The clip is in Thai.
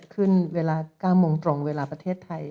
ขึ้นเวลา๙โมงตรงเวลาประเทศไทย